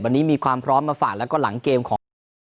วันนี้มีความพร้อมมาฝากแล้วก็หลังเกมของไทย